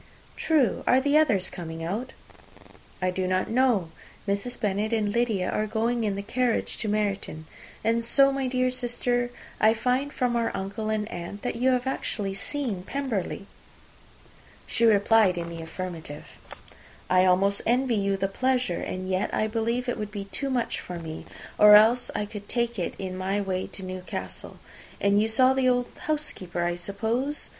"True. Are the others coming out?" "I do not know. Mrs. Bennet and Lydia are going in the carriage to Meryton. And so, my dear sister, I find, from our uncle and aunt, that you have actually seen Pemberley." She replied in the affirmative. "I almost envy you the pleasure, and yet I believe it would be too much for me, or else I could take it in my way to Newcastle. And you saw the old housekeeper, I suppose?